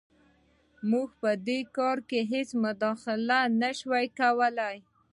موږ په دې کار کې هېڅ مداخله نه شو کولی.